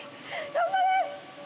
頑張れ！